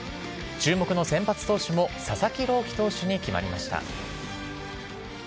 注目の先発投手も、佐々木朗希投手に決まりました。